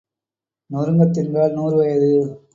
நொறுங்கத் தின்றால் நூறு வயது.